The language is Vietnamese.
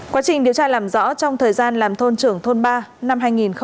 quá trình điều tra làm rõ trong thời gian làm thôn trưởng thôn ba năm hai nghìn hai mươi